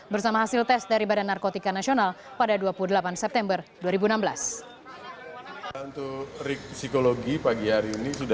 bersama hasil tes dari badan narkotika nasional pada dua puluh delapan september dua ribu enam belas